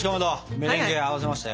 メレンゲも合わせましたよ。